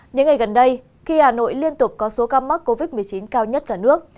những ngày gần đây khi hà nội liên tục có số ca mắc covid một mươi chín cao nhất cả nước